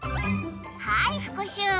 はい復習！